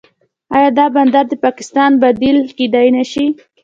آیا دا بندر د پاکستان بدیل کیدی نشي؟